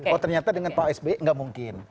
oh ternyata dengan pak sby nggak mungkin